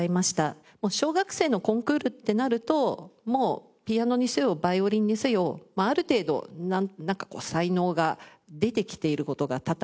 小学生のコンクールってなるとピアノにせよヴァイオリンにせよある程度なんかこう才能が出てきている事が多々あるんですね。